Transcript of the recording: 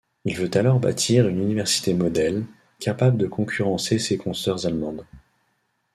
Il veut alors bâtir une université modèle, capable de concurrencer ses consœurs allemandes.